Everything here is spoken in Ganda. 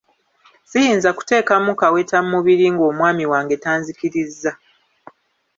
Siyinza kuteekamu kaweta mubiri ng'omwami wange tanzikirizza.